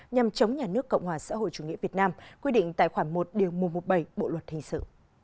nhằm chống nhà nước cộng hòa xã hội chủ nghĩa việt nam quy định tài khoản một điều một trăm một mươi bảy bộ luật hình sự